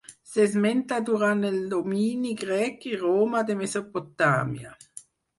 S'esmenta durant el domini grec i romà de Mesopotàmia.